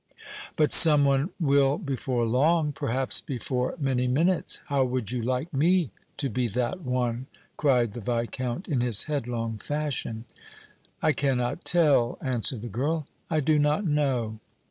"But some one will before long, perhaps before many minutes! How would you like me to be that one!" cried the Viscount, in his headlong fashion. "I cannot tell," answered the girl, "I do not know!"